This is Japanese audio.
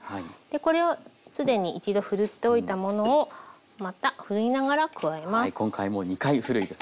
これをすでに一度ふるっておいたものをまたふるいながら加えます。